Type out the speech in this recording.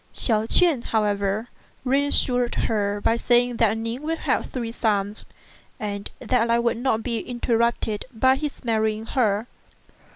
Hsiao ch'ien, how ever, reassured her by saying that Ning would have three sons, and that the line would not be interrupted by his marrying her.